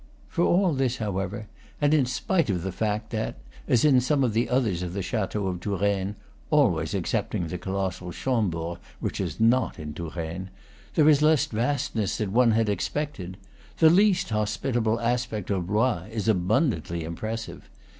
For all this, however, and in spite of the fact that, as in some others of the chateaux of Touraine, (always excepting the colossal Chambord, which is not in Touraine!) there is less vastness than one had expected, the least hospitable aspect of Blois is abundantly impressive.